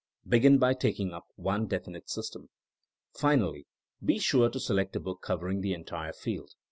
Begin by taking up one definite system. Finally, be sure to select a book covering the entire field.